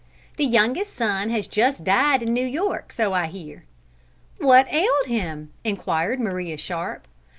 The youngest son has just died in New York, so I hear." "What ailed him?" inquired Maria Sharp.